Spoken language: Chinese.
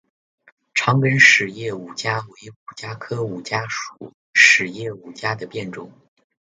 长梗匙叶五加为五加科五加属匙叶五加的变种。